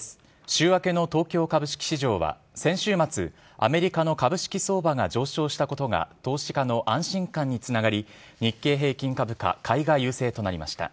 週明けの東京株式市場は、先週末、アメリカの株式相場が上昇したことが投資家の安心感につながり、日経平均株価、買いが優勢となりました。